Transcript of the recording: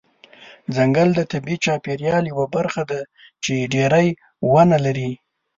ځنګل د طبیعي چاپیریال یوه برخه ده چې ډیری ونه لري.